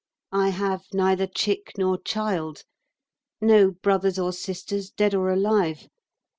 I have neither chick nor child. No brothers or sisters, dead or alive.